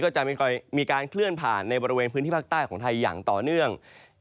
จะมีการเคลื่อนผ่านในบริเวณพื้นที่ภาคใต้ของไทยอย่างต่อเนื่อง